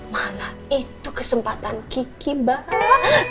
malah itu kesempatan kiki bahwa